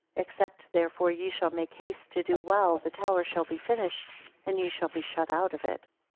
29 Except therefore ye shall make haste to do well, the tower shall be finished, and ye shall be shut out of it.